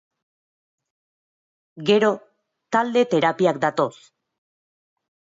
Gero, talde terapiak datoz.